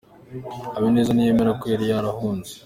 Habineza ntiyemera ko yari yarahunze